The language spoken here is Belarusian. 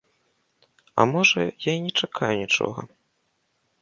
А, можа, я і не чакаю нічога.